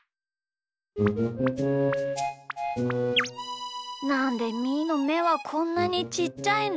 なんでみーのめはこんなにちっちゃいんだ？